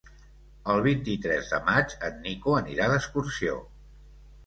El vint-i-tres de maig en Nico anirà d'excursió.